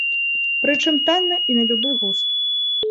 Прычым танна і на любы густ.